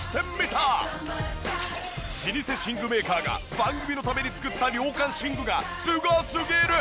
老舗寝具メーカーが番組のために作った涼感寝具がすごすぎる！